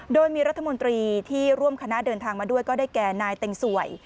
โดยมีรัฐมนตรีที่ร่วมคณะเดินทางมาด้วยก็ได้แก่นายเต็งสวย